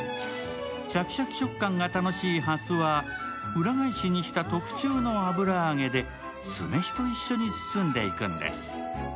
シャキシャキ食感が楽しいはすは裏返しにした特注の油揚げで酢飯と一緒に包んでいくんです。